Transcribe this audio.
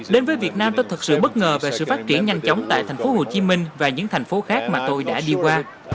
đến với việt nam tôi thật sự bất ngờ về sự phát triển nhanh chóng tại thành phố hồ chí minh và những thành phố khác mà tôi đã đi qua